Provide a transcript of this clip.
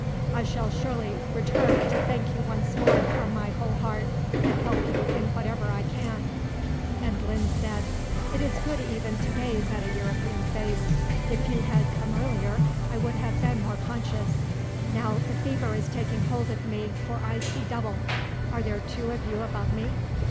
"I shall surely return to thank you once more from my whole heart and help you in whatever I can." And Linde said: "It is good even to gaze at a European face. If you had come earlier I would have been more conscious. Now the fever is taking hold of me, for I see double. Are there two of you above me?